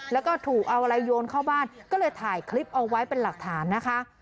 แล้วก็ถูกเอาอะไรโยนเข้าบ้านก็เลยถ่ายคลิปเอาไว้เป็นหลักฐานนะคะ